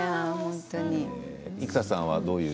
生田さんはどういう？